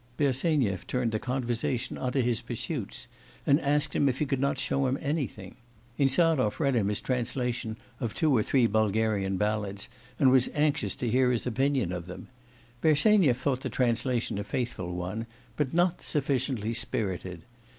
Bersenyev turned the conversation on to his pursuits, and asked him if he could not show him anything. Insarov read him his translation of two or three Bulgarian ballads, and was anxious to hear his opinion of them. Bersenyev thought the translation a faithful one, but not sufficiently spirited.